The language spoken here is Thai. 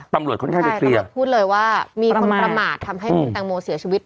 ค่อนข้างจะเคลียร์พูดเลยว่ามีคนประมาททำให้คุณแตงโมเสียชีวิต